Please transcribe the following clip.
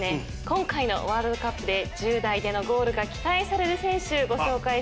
今回のワールドカップで１０代でのゴールが期待される選手ご紹介します。